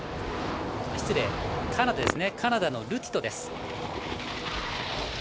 カナダのルティトです。